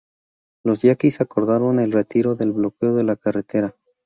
Los yaquis acordaron el retiro del bloqueo de la carretera.